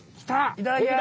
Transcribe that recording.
いただきます！